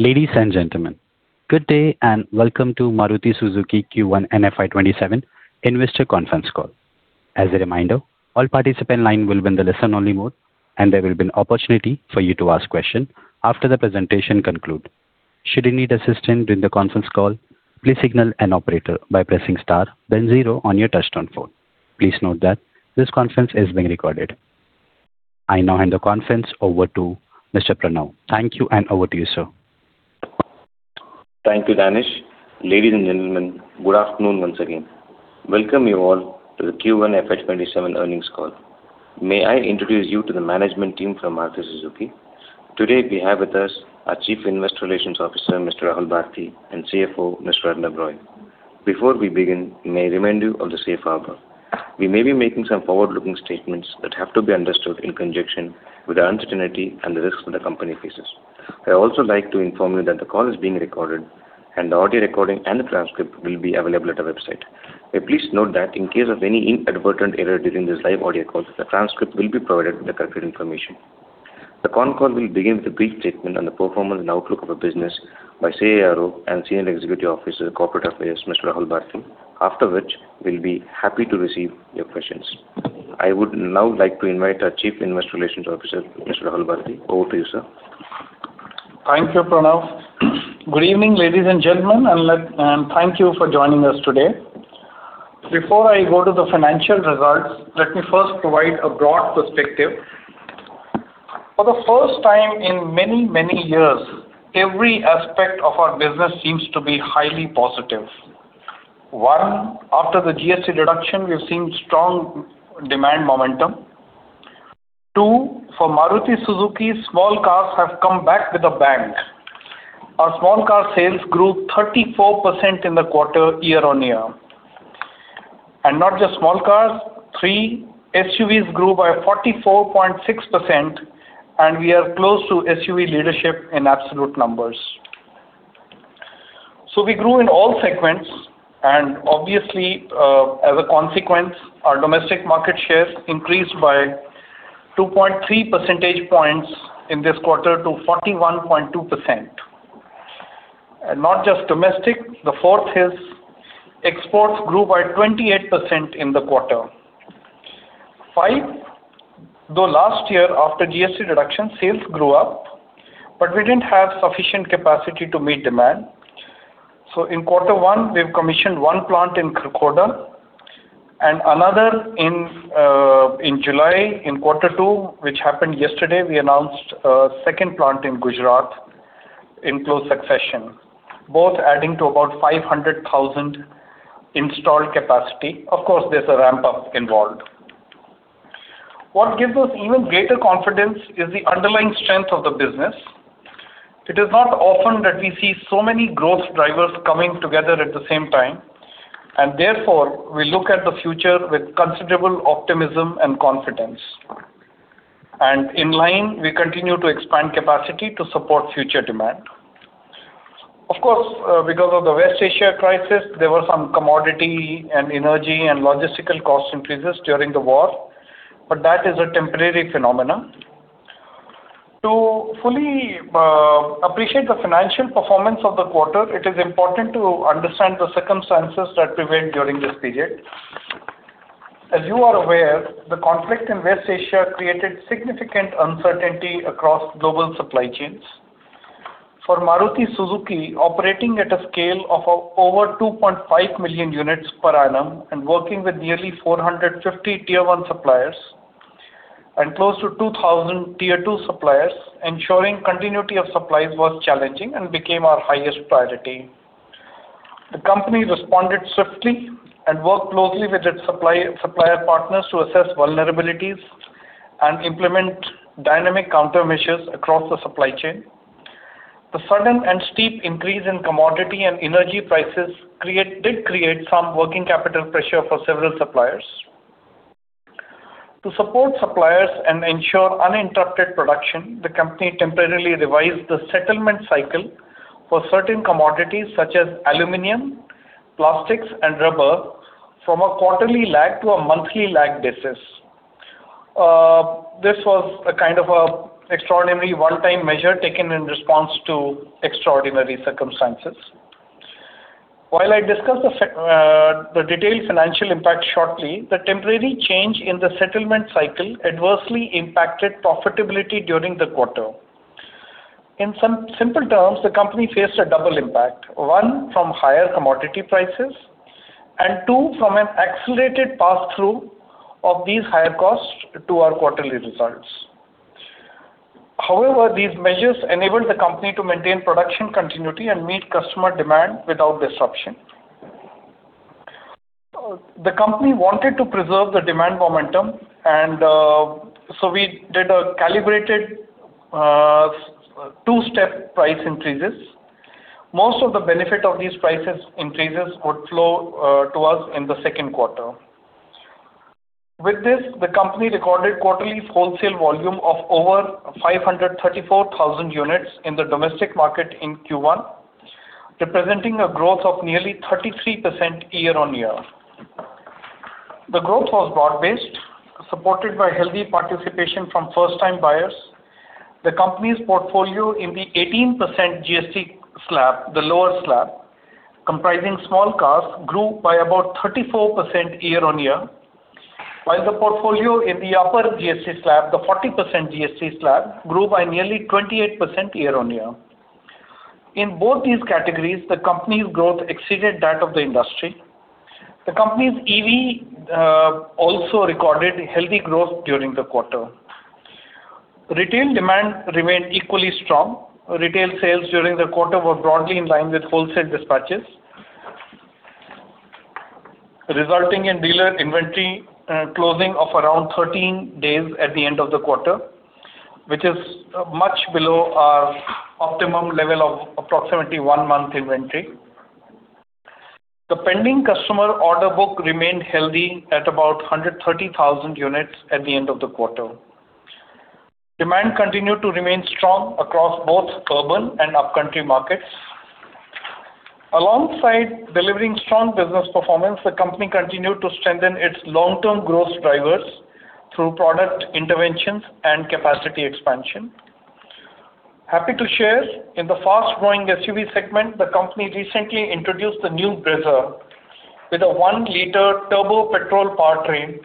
Ladies and gentlemen, good day and welcome to Maruti Suzuki Q1 FY 2027 investor conference call. As a reminder, all participant lines will be in the listen-only mode, and there will be an opportunity for you to ask questions after the presentation concludes. Should you need assistance during the conference call, please signal an operator by pressing star then zero on your touch-tone phone. Please note that this conference is being recorded. I now hand the conference over to Mr. Pranav. Thank you, and over to you, sir. Thank you, Danish. Ladies and gentlemen, good afternoon once again. Welcome you all to the Q1 FY 2027 earnings call. May I introduce you to the management team from Maruti Suzuki. Today we have with us our Chief Investor Relations Officer, Mr. Rahul Bharti, and CFO, Mr. Arnab Roy. Before we begin, may I remind you of the safe harbor. We may be making some forward-looking statements that have to be understood in conjunction with the uncertainty and the risks that the company faces. I also like to inform you that the call is being recorded, and the audio recording and the transcript will be available at our website. Please note that in case of any inadvertent error during this live audio call, the transcript will be provided with the correct information. The con call will begin with a brief statement on the performance and outlook of the business by CRO and Senior Executive Officer, Corporate Affairs, Mr. Rahul Bharti. After which, we'll be happy to receive your questions. I would now like to invite our Chief Investor Relations Officer, Mr. Rahul Bharti. Over to you, sir. Thank you, Pranav. Good evening, ladies and gentlemen, and thank you for joining us today. Before I go to the financial results, let me first provide a broad perspective. For the first time in many, many years, every aspect of our business seems to be highly positive. One, after the GST reduction, we've seen strong demand momentum. Two, for Maruti Suzuki, small cars have come back with a bang. Our small car sales grew 34% in the quarter year-on-year. Not just small cars, three, SUVs grew by 44.6%, and we are close to SUV leadership in absolute numbers. We grew in all segments, and obviously, as a consequence, our domestic market shares increased by 2.3 percentage points in this quarter to 41.2%. Not just domestic, the fourth is exports grew by 28% in the quarter. Five, though last year after GST reduction, sales grew up, but we didn't have sufficient capacity to meet demand. In quarter one, we've commissioned one plant in Kharkhoda and another in July in quarter two, which happened yesterday, we announced a second plant in Gujarat in close succession, both adding to about 500,000 installed capacity. Of course, there's a ramp-up involved. What gives us even greater confidence is the underlying strength of the business. It is not often that we see so many growth drivers coming together at the same time, therefore, we look at the future with considerable optimism and confidence. In line, we continue to expand capacity to support future demand. Of course, because of the West Asia crisis, there were some commodity and energy and logistical cost increases during the war, that is a temporary phenomenon. To fully appreciate the financial performance of the quarter, it is important to understand the circumstances that prevailed during this period. As you are aware, the conflict in West Asia created significant uncertainty across global supply chains. For Maruti Suzuki, operating at a scale of over 2.5 million units per annum and working with nearly 450 tier 1 suppliers and close to 2,000 tier 2 suppliers, ensuring continuity of supplies was challenging and became our highest priority. The company responded swiftly and worked closely with its supplier partners to assess vulnerabilities and implement dynamic countermeasures across the supply chain. The sudden and steep increase in commodity and energy prices did create some working capital pressure for several suppliers. To support suppliers and ensure uninterrupted production, the company temporarily revised the settlement cycle for certain commodities such as aluminum, plastics, and rubber from a quarterly lagged to a monthly lagged basis. This was a kind of extraordinary one-time measure taken in response to extraordinary circumstances. While I discuss the detailed financial impact shortly, the temporary change in the settlement cycle adversely impacted profitability during the quarter. In simple terms, the company faced a double impact, one, from higher commodity prices, and two, from an accelerated pass-through of these higher costs to our quarterly results. These measures enabled the company to maintain production continuity and meet customer demand without disruption. The company wanted to preserve the demand momentum, so we did a calibrated two-step price increases. Most of the benefit of these prices increases would flow to us in the second quarter. With this, the company recorded quarterly wholesale volume of over 534,000 units in the domestic market in Q1, representing a growth of nearly 33% year-on-year. The growth was broad-based, supported by healthy participation from first-time buyers. The company's portfolio in the 18% GST slab, the lower slab, comprising small cars, grew by about 34% year-on-year, while the portfolio in the upper GST slab, the 40% GST slab, grew by nearly 28% year-on-year. In both these categories, the company's growth exceeded that of the industry. The company's EV also recorded healthy growth during the quarter. Retail demand remained equally strong. Retail sales during the quarter were broadly in line with wholesale dispatches, resulting in dealer inventory closing of around 13 days at the end of the quarter, which is much below our optimum level of approximately one-month inventory. The pending customer order book remained healthy at about 130,000 units at the end of the quarter. Demand continued to remain strong across both urban and upcountry markets. Alongside delivering strong business performance, the company continued to strengthen its long-term growth drivers through product interventions and capacity expansion. Happy to share, in the fast-growing SUV segment, the company recently introduced the new Brezza with a 1.0-L turbo-petrol powertrain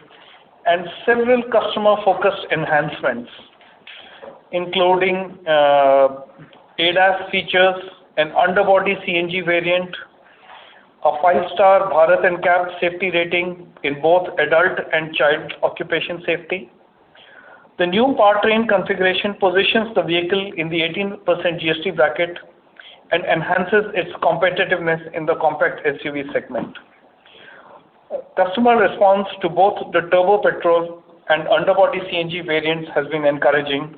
and several customer-focused enhancements, including ADAS features, an underbody CNG variant, a 5-star Bharat NCAP safety rating in both adult and child occupation safety. The new powertrain configuration positions the vehicle in the 18% GST bracket and enhances its competitiveness in the compact SUV segment. Customer response to both the turbo-petrol and underbody CNG variants has been encouraging,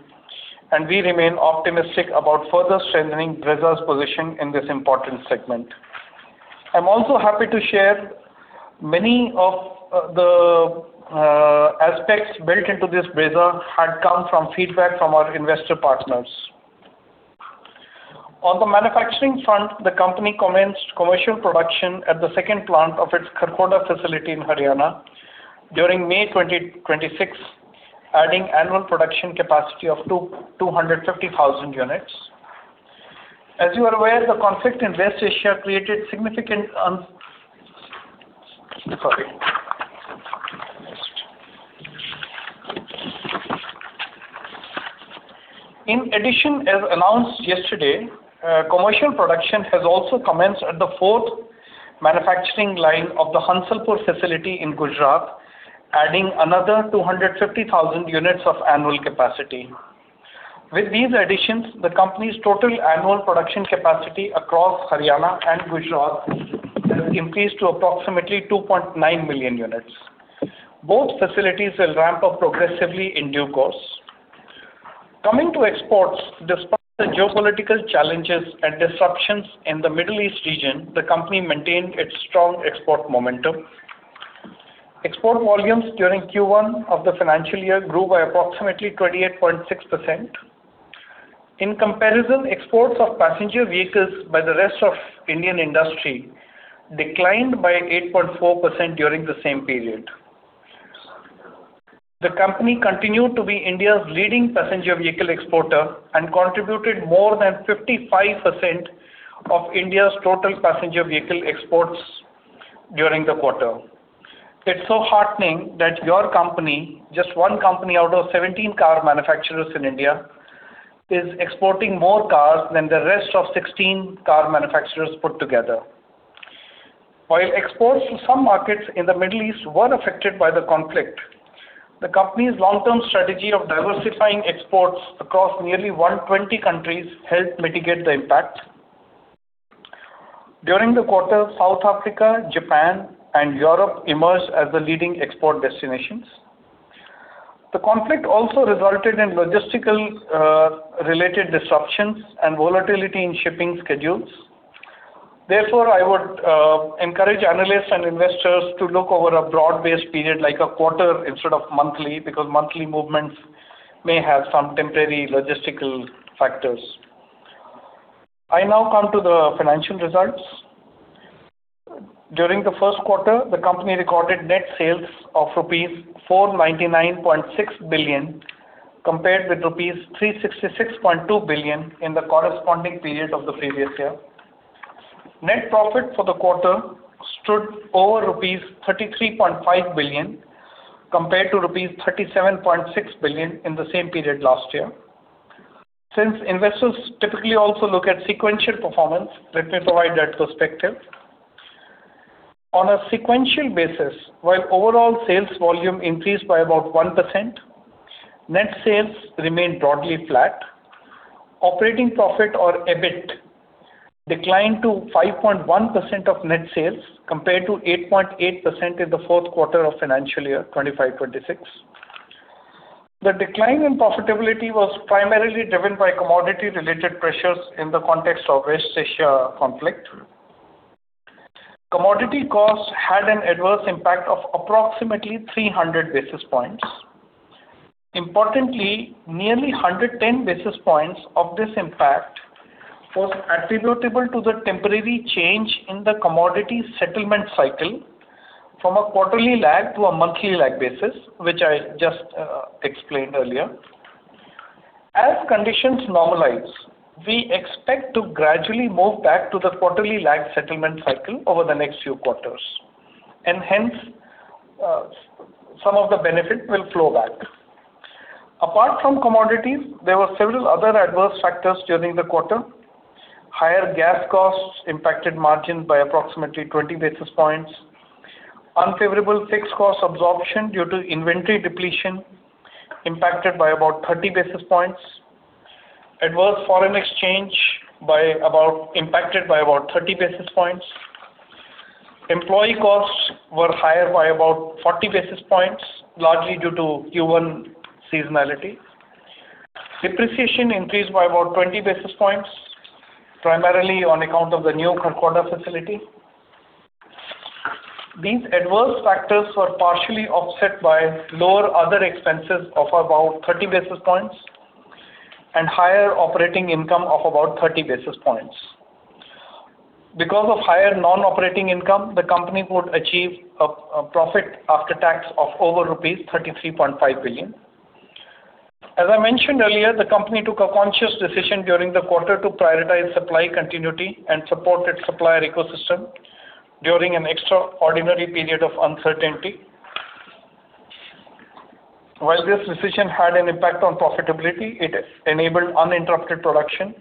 and we remain optimistic about further strengthening Brezza's position in this important segment. I am also happy to share many of the aspects built into this Brezza had come from feedback from our investor partners. On the manufacturing front, the company commenced commercial production at the second plant of its Kharkhoda facility in Haryana during May 2026, adding annual production capacity of 250,000 units. As you are aware, the conflict in West Asia created significant. In addition, as announced yesterday, commercial production has also commenced at the fourth manufacturing line of the Hansalpur facility in Gujarat, adding another 250,000 units of annual capacity. With these additions, the company's total annual production capacity across Haryana and Gujarat will increase to approximately 2.9 million units. Both facilities will ramp up progressively in due course. Coming to exports, despite the geopolitical challenges and disruptions in the Middle East region, the company maintained its strong export momentum. Export volumes during Q1 of the financial year grew by approximately 28.6%. In comparison, exports of passenger vehicles by the rest of Indian industry declined by 8.4% during the same period. The company continued to be India's leading passenger vehicle exporter and contributed more than 55% of India's total passenger vehicle exports during the quarter. It is so heartening that your company, just one company out of 17 car manufacturers in India, is exporting more cars than the rest of 16 car manufacturers put together. While exports to some markets in the Middle East were affected by the conflict, the company's long-term strategy of diversifying exports across nearly 120 countries helped mitigate the impact. During the quarter, South Africa, Japan, and Europe emerged as the leading export destinations. The conflict also resulted in logistical-related disruptions and volatility in shipping schedules. Therefore, I would encourage analysts and investors to look over a broad-based period, like a quarter instead of monthly, because monthly movements may have some temporary logistical factors. I now come to the financial results. During the first quarter, the company recorded net sales of rupees 499.6 billion, compared with rupees 366.2 billion in the corresponding period of the previous year. Net profit for the quarter stood over rupees 33.5 billion, compared to rupees 37.6 billion in the same period last year. Since investors typically also look at sequential performance, let me provide that perspective. On a sequential basis, while overall sales volume increased by about 1%, net sales remained broadly flat. Operating profit or EBIT declined to 5.1% of net sales, compared to 8.8% in the fourth quarter of financial year 2025/2026. The decline in profitability was primarily driven by commodity-related pressures in the context of West Asia conflict. Commodity costs had an adverse impact of approximately 300 basis points. Importantly, nearly 110 basis points of this impact was attributable to the temporary change in the commodity settlement cycle from a quarterly lag to a monthly lag basis, which I just explained earlier. As conditions normalize, we expect to gradually move back to the quarterly lag settlement cycle over the next few quarters, and hence, some of the benefit will flow back. Apart from commodities, there were several other adverse factors during the quarter. Higher gas costs impacted margin by approximately 20 basis points. Unfavorable fixed cost absorption due to inventory depletion impacted by about 30 basis points. Adverse foreign exchange impacted by about 30 basis points. Employee costs were higher by about 40 basis points, largely due to Q1 seasonality. Depreciation increased by about 20 basis points, primarily on account of the new Kharkhoda facility. These adverse factors were partially offset by lower other expenses of about 30 basis points and higher operating income of about 30 basis points. Because of higher non-operating income, the company could achieve a profit after tax of over rupees 33.5 billion. As I mentioned earlier, the company took a conscious decision during the quarter to prioritize supply continuity and support its supplier ecosystem during an extraordinary period of uncertainty. While this decision had an impact on profitability, it enabled uninterrupted production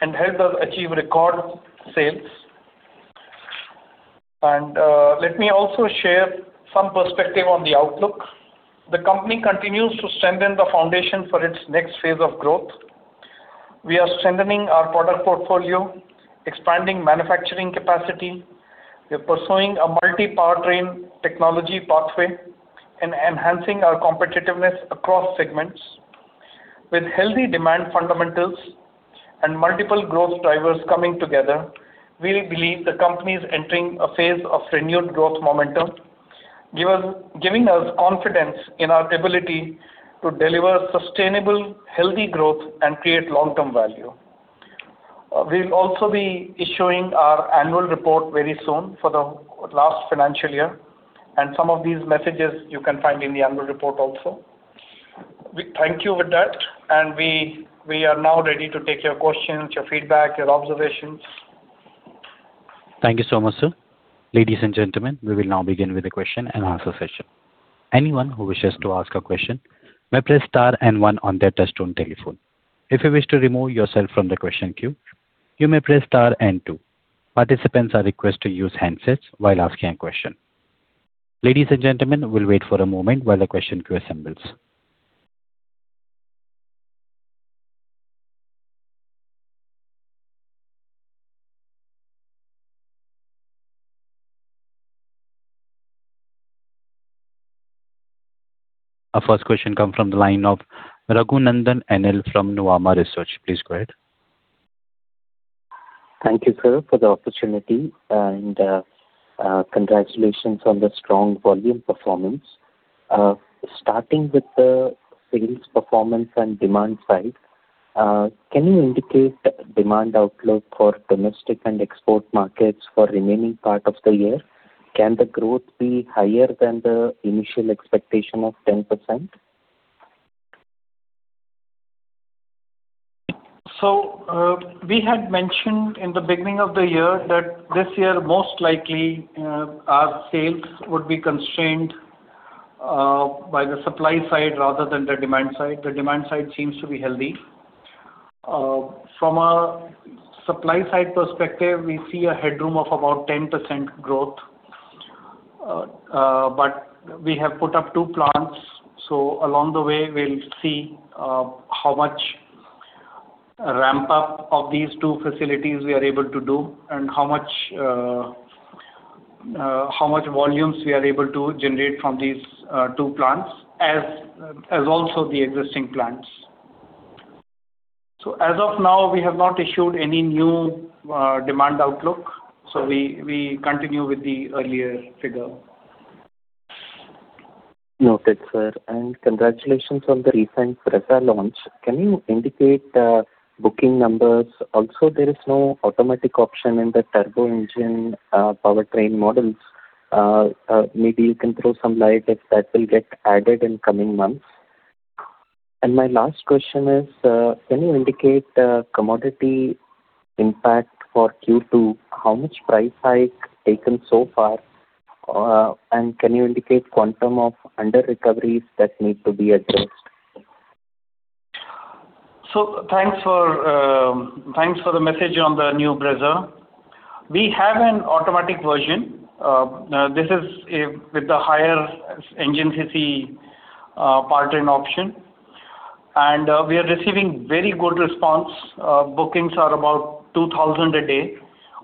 and helped us achieve record sales. Let me also share some perspective on the outlook. The company continues to strengthen the foundation for its next phase of growth. We are strengthening our product portfolio, expanding manufacturing capacity. We are pursuing a multi-powertrain technology pathway and enhancing our competitiveness across segments. With healthy demand fundamentals and multiple growth drivers coming together, we believe the company is entering a phase of renewed growth momentum, giving us confidence in our ability to deliver sustainable, healthy growth and create long-term value. We will also be issuing our annual report very soon for the last financial year, and some of these messages you can find in the annual report also. Thank you with that. We are now ready to take your questions, your feedback, your observations. Thank you so much, sir. Ladies and gentlemen, we will now begin with the question and answer session. Anyone who wishes to ask a question may press star and one on their touchtone telephone. If you wish to remove yourself from the question queue, you may press star and two. Participants are requested to use handsets while asking a question. Ladies and gentlemen, we will wait for a moment while the question queue assembles. Our first question comes from the line of Raghunandhan NL from Nuvama Research. Please go ahead. Thank you, sir, for the opportunity and congratulations on the strong volume performance. Starting with the sales performance and demand side, can you indicate demand outlook for domestic and export markets for remaining part of the year? Can the growth be higher than the initial expectation of 10%? We had mentioned in the beginning of the year that this year, most likely, our sales would be constrained by the supply side rather than the demand side. The demand side seems to be healthy. From a supply side perspective, we see a headroom of about 10% growth. We have put up two plants, along the way, we'll see how much ramp up of these two facilities we are able to do and how much volumes we are able to generate from these two plants, as also the existing plants. As of now, we have not issued any new demand outlook, we continue with the earlier figure. Noted, sir, and congratulations on the recent Brezza launch. Can you indicate the booking numbers? Also, there is no automatic option in the turbo engine powertrain models. Maybe you can throw some light if that will get added in coming months. My last question is, can you indicate the commodity impact for Q2, how much price hike taken so far, and can you indicate quantum of underrecoveries that need to be addressed? Thanks for the message on the new Brezza. We have an automatic version. This is with the higher engine CC powertrain option, we are receiving very good response. Bookings are about 2,000 a day.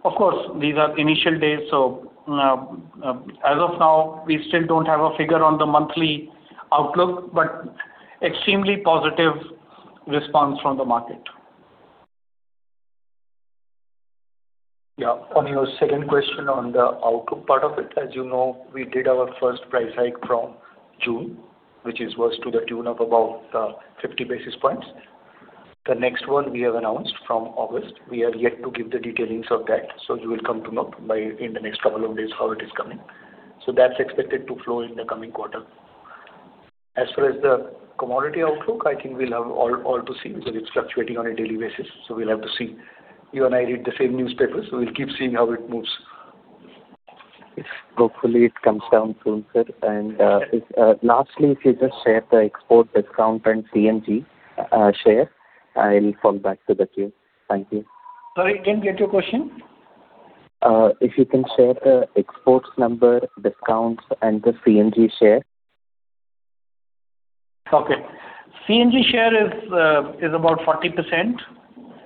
Of course, these are initial days, as of now, we still don't have a figure on the monthly outlook, but extremely positive response from the market. Yeah. On your second question on the outlook part of it, as you know, we did our first price hike from June, which was to the tune of about 50 basis points. The next one we have announced from August. We are yet to give the detailings of that. You will come to know in the next couple of days how it is coming. That's expected to flow in the coming quarter. As far as the commodity outlook, I think we'll have all to see because it's fluctuating on a daily basis, so we'll have to see. You and I read the same newspaper, so we'll keep seeing how it moves. Yes. Hopefully it comes down soon, sir. Lastly, if you just share the export discount and CNG share, I'll fall back to the queue. Thank you. Sorry, can I get your question? If you can share exports number, discounts, and the CNG share. Okay. CNG share is about 40%.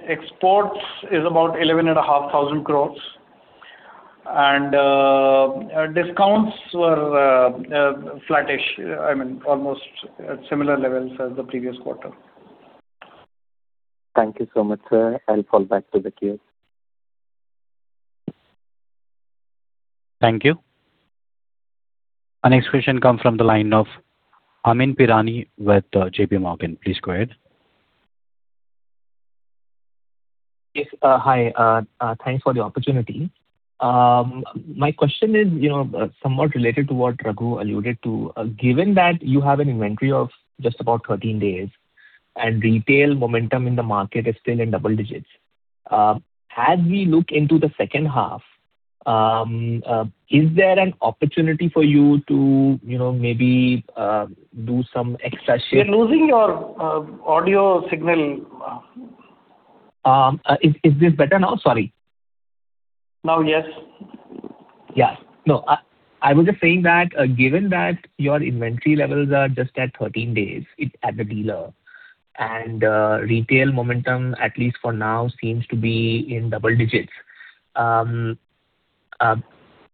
Exports is about 11,500 crore. Discounts were flattish, almost at similar levels as the previous quarter. Thank you so much, sir. I'll fall back to the queue. Thank you. Our next question comes from the line of Amyn Pirani with JPMorgan. Please go ahead. Yes. Hi. Thanks for the opportunity. My question is somewhat related to what Raghu alluded to. Given that you have an inventory of just about 13 days and retail momentum in the market is still in double digits, as we look into the second half, is there an opportunity for you to maybe do some extra shift- We're losing your audio signal. Is this better now? Sorry. Now, yes. No, I was just saying that given that your inventory levels are just at 13 days at the dealer, and retail momentum, at least for now, seems to be in double digits.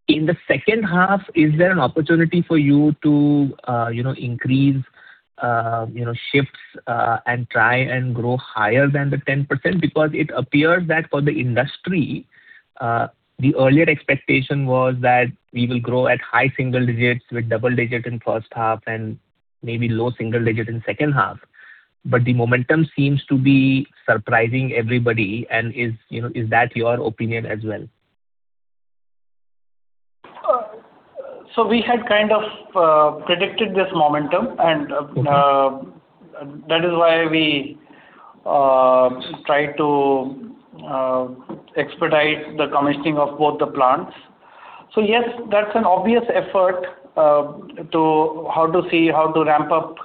In the second half, is there an opportunity for you to increase shifts and try and grow higher than the 10%? It appears that for the industry, the earlier expectation was that we will grow at high single digits with double digit in first half and maybe low single digit in second half. The momentum seems to be surprising everybody, and is that your opinion as well? We had kind of predicted this momentum. That is why we tried to expedite the commissioning of both the plants. Yes, that's an obvious effort to how to see how to ramp up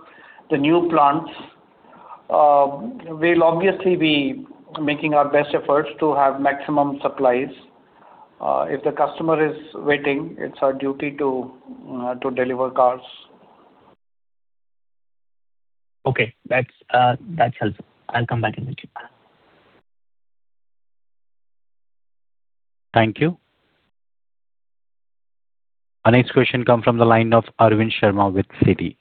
the new plants. We'll obviously be making our best efforts to have maximum supplies. If the customer is waiting, it's our duty to deliver cars. Okay. That's helpful. I'll come back in the queue. Thank you. Our next question comes from the line of Arvind Sharma with Citi.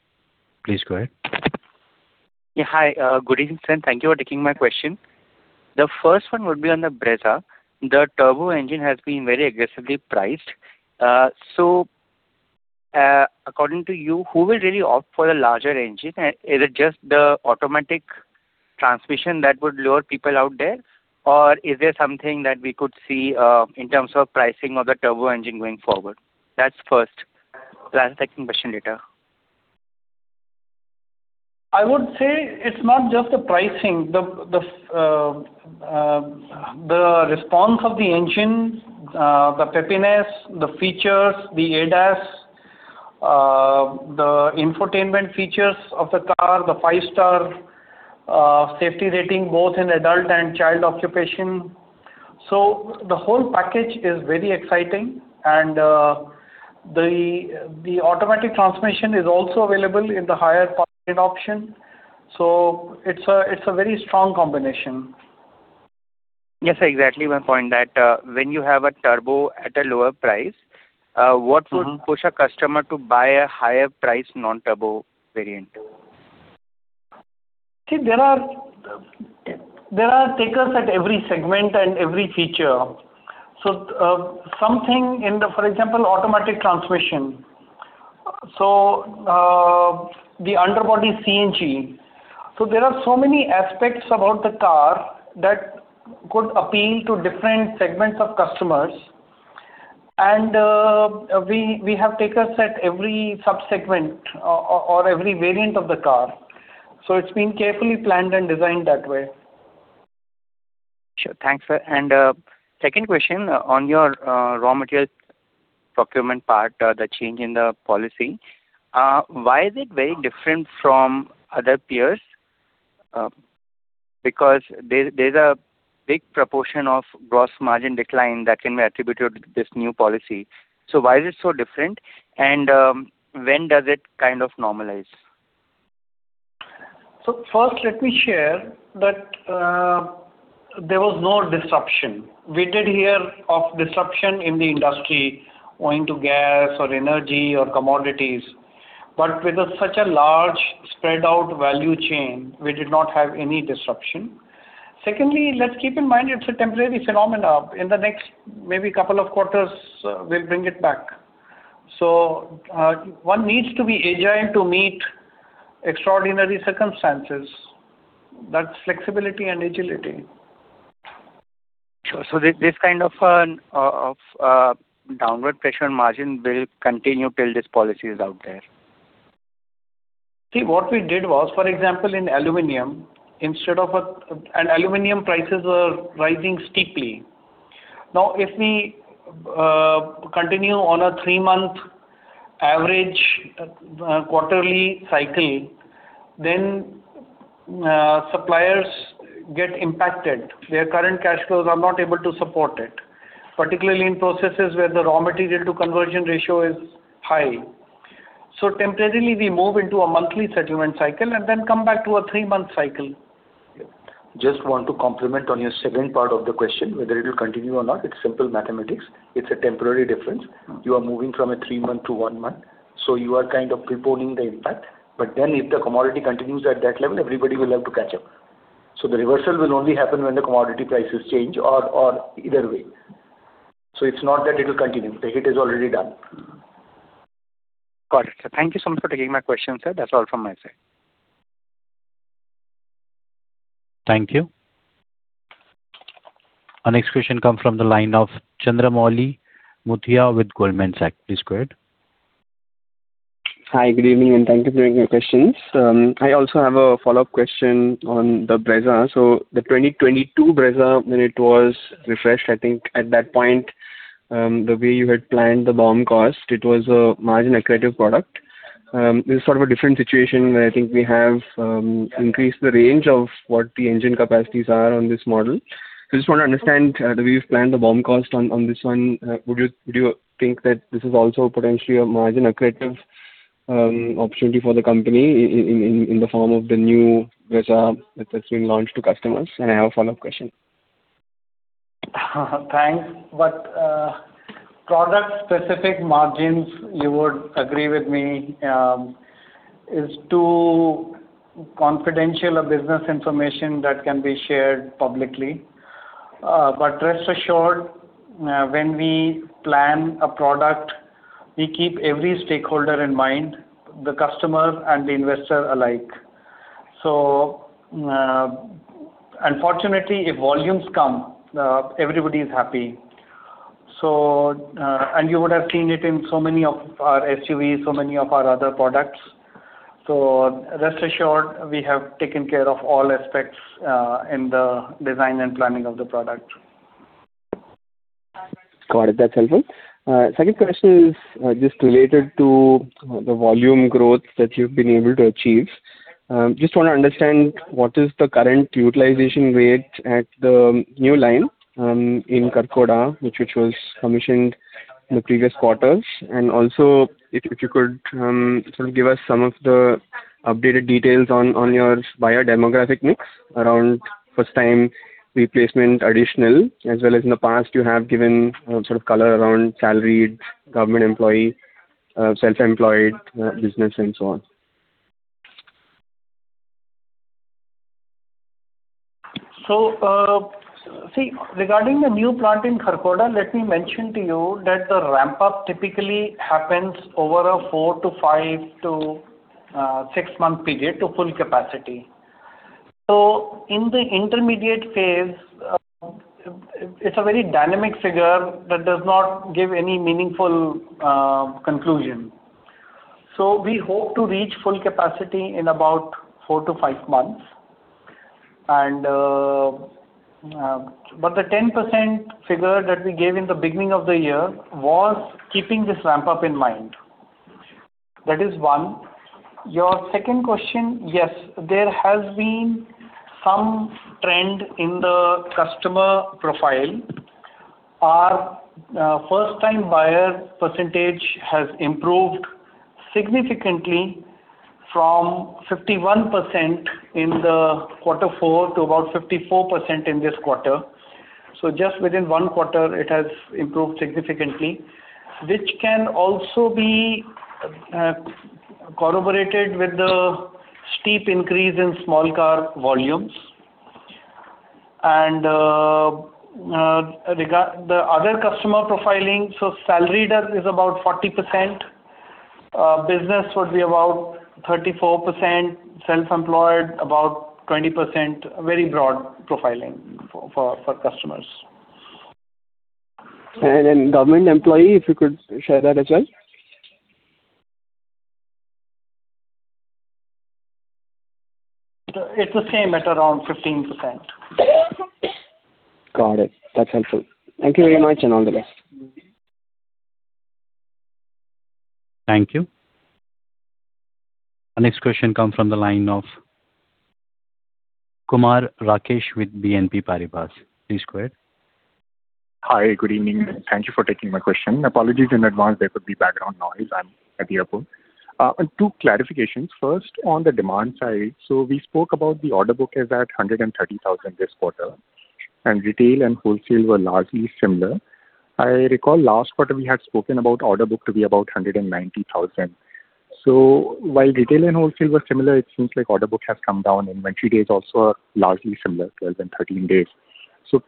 Please go ahead. Hi. Good evening, sir, and thank you for taking my question. The first one would be on the Brezza. The turbo engine has been very aggressively priced. According to you, who will really opt for the larger engine? Is it just the automatic transmission that would lure people out there, or is there something that we could see in terms of pricing of the turbo engine going forward? That's first. Will ask the second question later. I would say it's not just the pricing, the response of the engine, the peppiness, the features, the ADAS, the infotainment features of the car, the five-star safety rating, both in adult and child occupation. The whole package is very exciting, and the automatic transmission is also available in the higher option. It's a very strong combination. Yes, sir. Exactly my point that when you have a turbo at a lower price, what would push a customer to buy a higher price non-turbo variant? There are takers at every segment and every feature. Something in the, for example, automatic transmission. The underbody CNG. There are so many aspects about the car that could appeal to different segments of customers, and we have takers at every sub-segment or every variant of the car. It's been carefully planned and designed that way. Sure. Thanks, sir. Second question on your raw material procurement part, the change in the policy. Why is it very different from other peers? Because there's a big proportion of gross margin decline that can be attributed to this new policy. Why is it so different, and when does it kind of normalize? First let me share that there was no disruption. We did hear of disruption in the industry owing to gas or energy or commodities. With such a large spread out value chain, we did not have any disruption. Secondly, let's keep in mind it's a temporary phenomenon. In the next maybe couple of quarters, we'll bring it back. One needs to be agile to meet extraordinary circumstances. That's flexibility and agility. Sure. This kind of downward pressure on margin will continue till this policy is out there. What we did was, for example, in aluminum prices were rising steeply. If we continue on a three-month average quarterly cycle, suppliers get impacted. Their current cash flows are not able to support it, particularly in processes where the raw material to conversion ratio is high. Temporarily we move into a monthly settlement cycle and come back to a three-month cycle. Just want to complement on your second part of the question, whether it will continue or not. It's simple mathematics. It's a temporary difference. You are moving from a three-month to one month, you are kind of preponing the impact. If the commodity continues at that level, everybody will have to catch up. The reversal will only happen when the commodity prices change or either way. It's not that it will continue. The hit is already done. Got it. Thank you so much for taking my question, sir. That's all from my side. Thank you. Our next question comes from the line of Chandramouli Muthiah with Goldman Sachs. Please go ahead. Hi, good evening. Thank you for taking my questions. I also have a follow-up question on the Brezza. The 2022 Brezza, when it was refreshed, I think at that point, the way you had planned the BOM cost, it was a margin-accretive product. This is sort of a different situation where I think we have increased the range of what the engine capacities are on this model. I just want to understand the way you've planned the BOM cost on this one. Would you think that this is also potentially a margin-accretive opportunity for the company in the form of the new Brezza that has been launched to customers? I have a follow-up question. Thanks. Product-specific margins, you would agree with me, is too confidential a business information that can be shared publicly. Rest assured, when we plan a product, we keep every stakeholder in mind, the customer and the investor alike. Unfortunately, if volumes come, everybody is happy. You would have seen it in so many of our SUVs, so many of our other products. Rest assured, we have taken care of all aspects in the design and planning of the product. Got it. That's helpful. Second question is just related to the volume growth that you've been able to achieve. Just want to understand what is the current utilization rate at the new line in Kharkhoda, which was commissioned in the previous quarters. Also, if you could give us some of the updated details on your buyer demographic mix around first-time replacement, additional, as well as in the past you have given sort of color around salaried, government employee, self-employed, business and so on. See, regarding the new plant in Kharkhoda, let me mention to you that the ramp-up typically happens over a four to five to six-month period to full capacity. In the intermediate phase, it's a very dynamic figure that does not give any meaningful conclusion. We hope to reach full capacity in about four to five months. The 10% figure that we gave in the beginning of the year was keeping this ramp-up in mind. That is one. Your second question, yes, there has been some trend in the customer profile. Our first-time buyer percentage has improved significantly from 51% in the quarter four to about 54% in this quarter. Just within one quarter it has improved significantly, which can also be corroborated with the steep increase in small car volumes. The other customer profiling, salaried is about 40%, business would be about 34%, self-employed about 20%. Very broad profiling for customers. Government employee, if you could share that as well. It's the same at around 15%. Got it. That's helpful. Thank you very much and all the best. Thank you. Our next question comes from the line of Kumar Rakesh with BNP Paribas. Please go ahead. Hi, good evening and thank you for taking my question. Apologies in advance if there could be background noise. I'm at the airport. Two clarifications. First, on the demand side, we spoke about the order book is at 130,000 this quarter. Retail and wholesale were largely similar. I recall last quarter we had spoken about order book to be about 190,000. While retail and wholesale were similar, it seems like order book has come down. Inventory days also are largely similar, 12 and 13 days.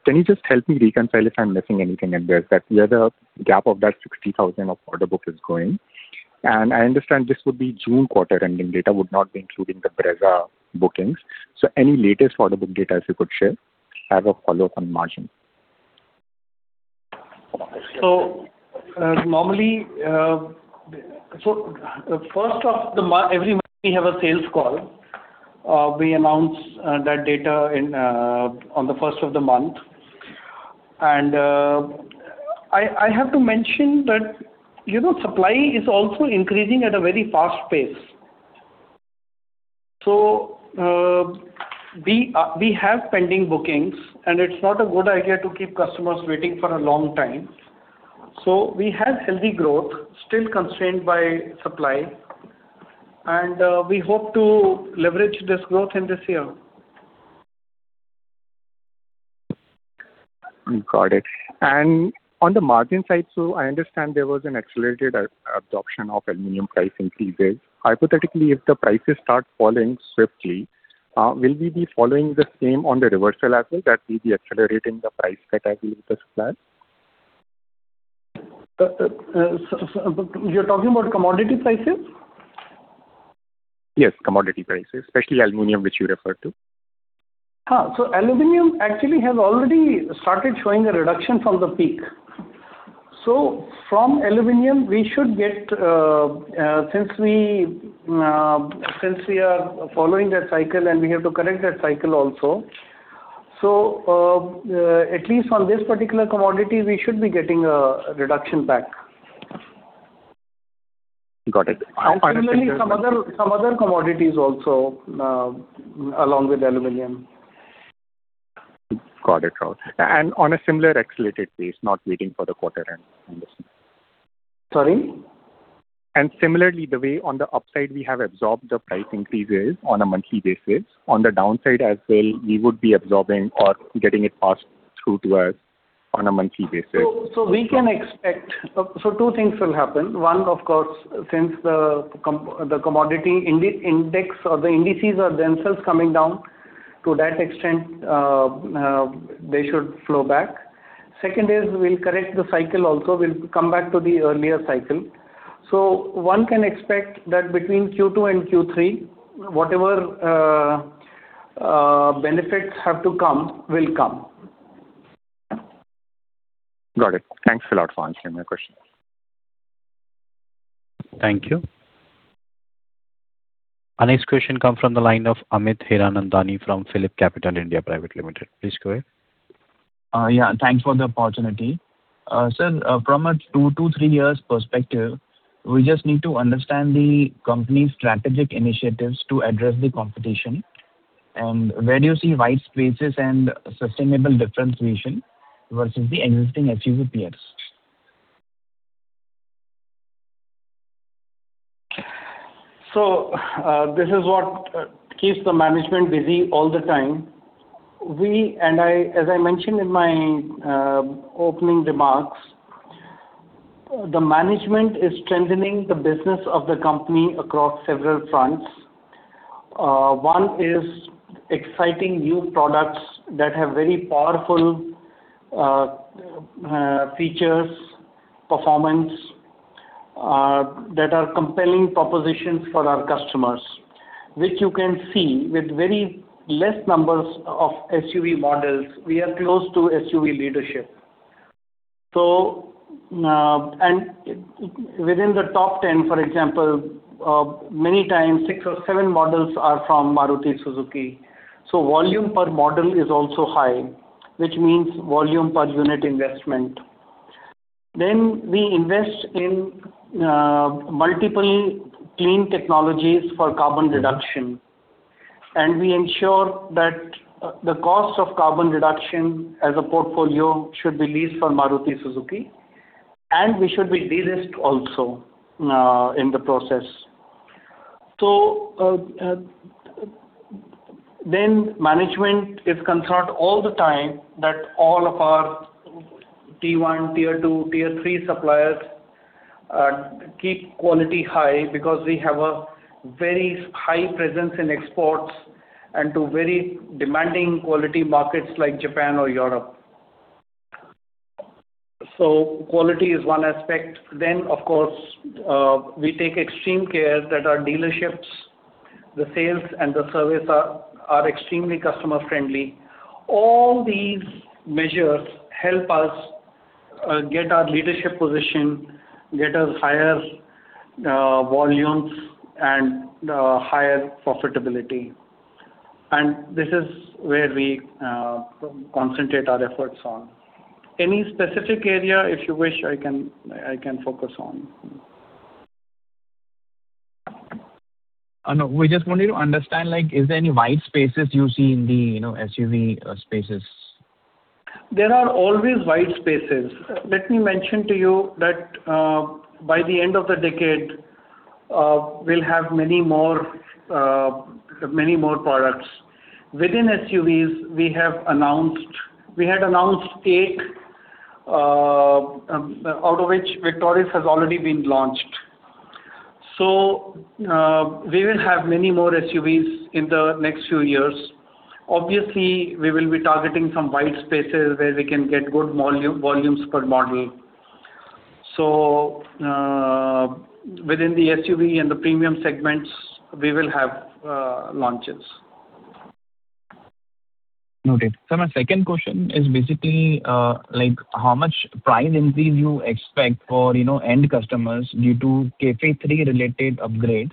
Can you just help me reconcile if I'm missing anything in there? Where the gap of that 60,000 of order book is going. I understand this would be June quarter ending data, would not be including the Brezza bookings. Any latest order book data you could share. I have a follow-up on margin. First off, every month we have a sales call. We announce that data on the first of the month. I have to mention that supply is also increasing at a very fast pace. We have pending bookings, and it's not a good idea to keep customers waiting for a long time. We have healthy growth, still constrained by supply, and we hope to leverage this growth in this year. Got it. On the margin side, I understand there was an accelerated adoption of aluminum price increases. Hypothetically, if the prices start falling swiftly, will we be following the same on the reversal as well? That we'll be accelerating the price cut as we discuss? You're talking about commodity prices? Yes, commodity prices, especially aluminum, which you referred to. Aluminum actually has already started showing a reduction from the peak. From aluminum, since we are following that cycle and we have to correct that cycle also, at least on this particular commodity, we should be getting a reduction back. Got it. Similarly, some other commodities also, along with aluminum. Got it. On a similar accelerated pace, not waiting for the quarter end. I understand. Sorry? Similarly, the way on the upside we have absorbed the price increases on a monthly basis, on the downside as well, we would be absorbing or getting it passed through to us on a monthly basis. Two things will happen. One, of course, since the commodity index or the indices are themselves coming down, to that extent, they should flow back. Second is we'll correct the cycle also. We'll come back to the earlier cycle. One can expect that between Q2 and Q3, whatever benefits have to come will come. Got it. Thanks a lot for answering my question. Thank you. Our next question comes from the line of Amit Hiranandani from PhillipCapital India Private Limited. Please go ahead. Yeah, thanks for the opportunity. Sir, from a two to three years perspective, we just need to understand the company's strategic initiatives to address the competition and where do you see wide spaces and sustainable differentiation versus the existing SUV peers? This is what keeps the management busy all the time. As I mentioned in my opening remarks, the management is strengthening the business of the company across several fronts. One is exciting new products that have very powerful features, performance, that are compelling propositions for our customers. Which you can see with very less numbers of SUV models, we are close to SUV leadership. Within the top 10, for example, many times six or seven models are from Maruti Suzuki. Volume per model is also high, which means volume per unit investment. We invest in multiple clean technologies for carbon reduction, and we ensure that the cost of carbon reduction as a portfolio should be least for Maruti Suzuki, and we should be de-risked also in the process. Management is concerned all the time that all of our tier 1, tier 2, tier 3 suppliers keep quality high because we have a very high presence in exports and to very demanding quality markets like Japan or Europe. Quality is one aspect. Of course, we take extreme care that our dealerships, the sales, and the service are extremely customer-friendly. All these measures help us get our leadership position, get us higher volumes and higher profitability. This is where we concentrate our efforts on. Any specific area, if you wish, I can focus on. No, we just wanted to understand, is there any wide spaces you see in the SUV spaces? There are always wide spaces. Let me mention to you that by the end of the decade. We will have many more products. Within SUVs, we had announced eight, out of which Victoris has already been launched. We will have many more SUVs in the next few years. Obviously, we will be targeting some wide spaces where we can get good volumes per model. Within the SUV and the premium segments, we will have launches. Noted. Sir, my second question is basically, how much price increase you expect for end customers due to CAFE 3 related upgrades?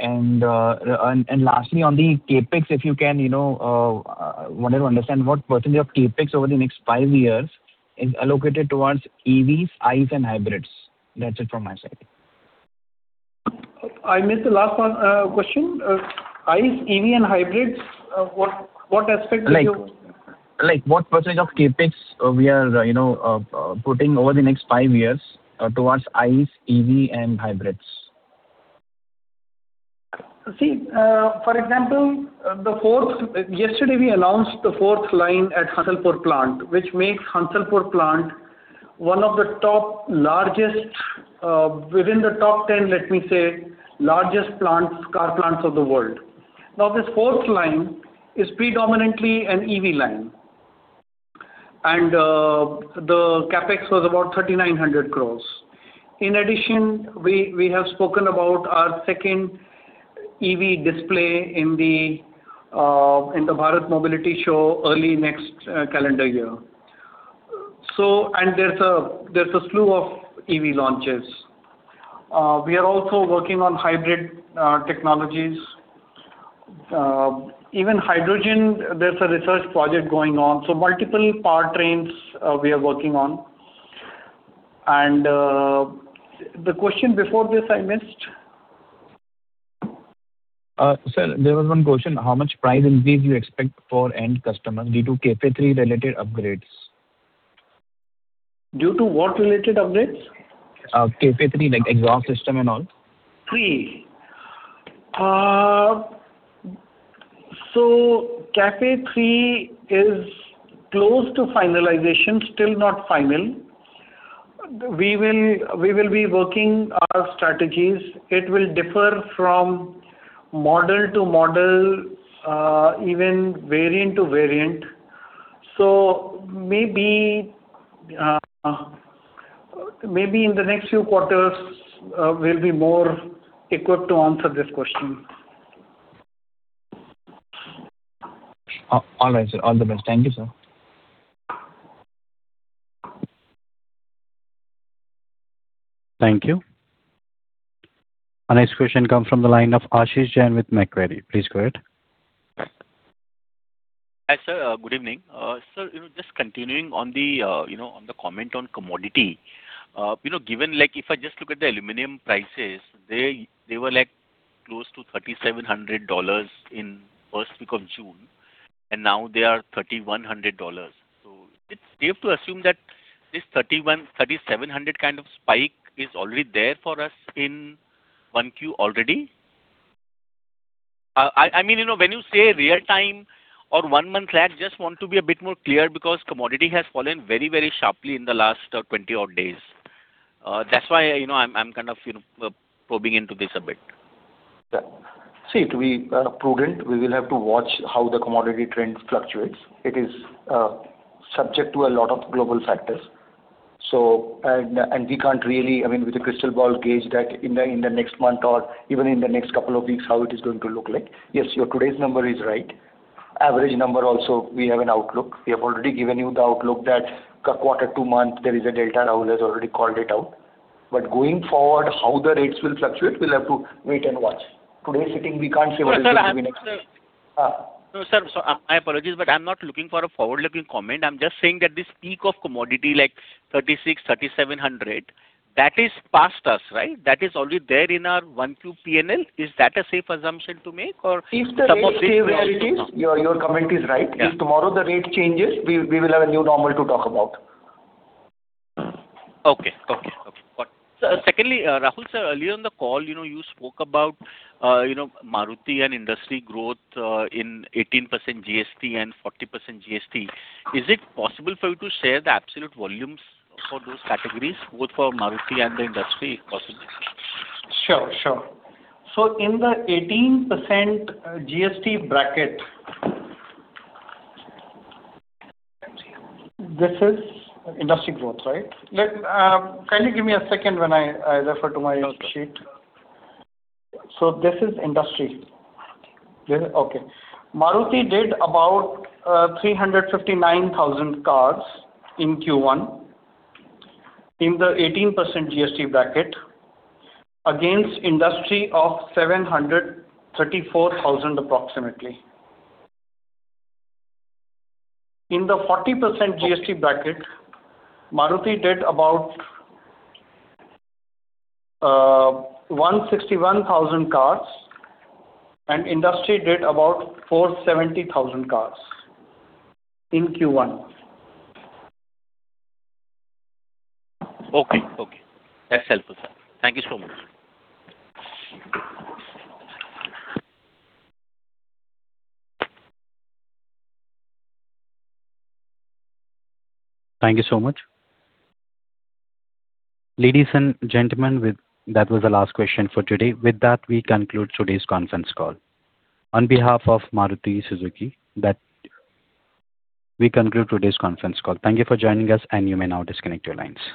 Lastly on the CapEx, if you can, wanted to understand what percentage of CapEx over the next five years is allocated towards EVs, ICE, and hybrids. That is it from my side. I missed the last one, question. ICE, EV and hybrids. What percentage of CapEx we are putting over the next five years towards ICE, EV and hybrids. For example, yesterday we announced the fourth line at Hansalpur Plant, which makes Hansalpur Plant one of the top largest, within the top 10, let me say, largest car plants of the world. This fourth line is predominantly an EV line. The CapEx was about 3,900 crore. In addition, we have spoken about our second EV display in the Bharat Mobility Show early next calendar year. There's a slew of EV launches. We are also working on hybrid technologies. Even hydrogen, there's a research project going on. Multiple powertrains we are working on. The question before this I missed. Sir, there was one question, how much price increase you expect for end customer due to CAFE 3 related upgrades? Due to what related upgrades? CAFE 3, like exhaust system and all. Three. CAFE 3 is close to finalization, still not final. We will be working our strategies. It will differ from model to model, even variant to variant. Maybe in the next few quarters, we'll be more equipped to answer this question. All right, sir. All the best. Thank you, sir. Thank you. Our next question comes from the line of Ashish Jain with Macquarie. Please go ahead. Hi, sir. Good evening. Sir, just continuing on the comment on commodity. If I just look at the aluminum prices, they were close to $3,700 in first week of June, and now they are $3,100. It's safe to assume that this $3,700 kind of spike is already there for us in 1Q already? When you say real time or one month lag, just want to be a bit more clear because commodity has fallen very sharply in the last 20 odd days. I'm kind of probing into this a bit. See, to be prudent, we will have to watch how the commodity trend fluctuates. It is subject to a lot of global factors. We can't really, with a crystal ball, gauge that in the next month or even in the next couple of weeks how it is going to look like. Yes, your today's number is right. Average number also, we have an outlook. We have already given you the outlook that quarter to month, there is a delta, Rahul has already called it out. Going forward, how the rates will fluctuate, we'll have to wait and watch. Today's sitting, we can't say what it'll be next. No, sir. I apologize, I'm not looking for a forward-looking comment. I'm just saying that this peak of commodity, like $3,600, $3,700, that is past us, right? That is already there in our 1Q P&L. Is that a safe assumption to make or some of it? If the rate stay where it is, your comment is right. Yeah. If tomorrow the rate changes, we will have a new normal to talk about. Okay. Got it. Secondly, Rahul sir, earlier on the call, you spoke about Maruti and industry growth in 18% GST and 40% GST. Is it possible for you to share the absolute volumes for those categories, both for Maruti and the industry, if possible? Sure. In the 18% GST bracket, this is industry growth, right? Kindly give me one second when I refer to my sheet. This is industry. Okay. Maruti did about 359,000 cars in Q1 in the 18% GST bracket against industry of 734,000 approximately. In the 40% GST bracket, Maruti did about 161,000 cars, and industry did about 470,000 cars in Q1. Okay. That's helpful, sir. Thank you so much. Thank you so much. Ladies and gentlemen, that was the last question for today. With that, we conclude today's conference call. On behalf of Maruti Suzuki, we conclude today's conference call. Thank you for joining us, and you may now disconnect your lines.